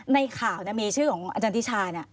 ในข่าวมีชื่อของอาจารย์ติชา